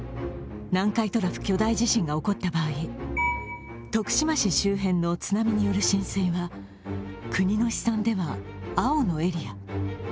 南海トラフ巨大地震が起こった場合、徳島市周辺の津波による浸水は国の試算では青のエリア。